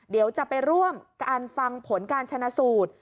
เดี๋ยวจะไปร่วมการฟังผลการชนะสูตร